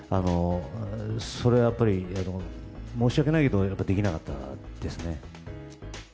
それはやっぱり、申し訳ないけどできなかったですね。